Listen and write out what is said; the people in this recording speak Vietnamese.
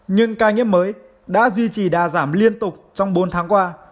những ca nhiễm mới đã duy trì đa giảm liên tục trong bốn tháng qua